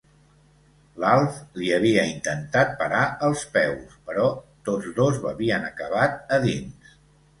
L'Alf li havia intentat parar els peus, però tots dos havien acabat dins.